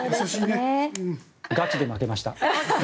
ガチで負けました。